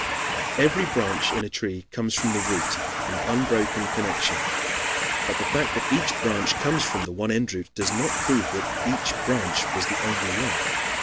Every branch in a tree comes from the root in unbroken connection; but the fact that each branch comes from the one root, does not prove at all that each branch was the only one.